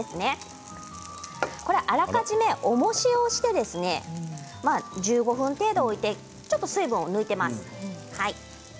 あらかじめおもしをして、１５分程度置いてちょっと水分を抜いています。